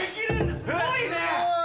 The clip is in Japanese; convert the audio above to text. すごいね！